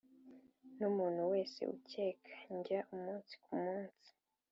numuntu wese ukeka, njya umunsi kumunsi.